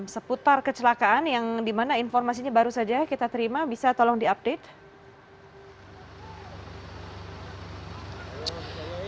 seputar kecelakaan yang dimana informasinya baru saja kita terima bisa tolong diupdate